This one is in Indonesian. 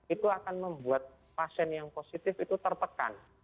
itu akan membuat pasien yang positif itu tertekan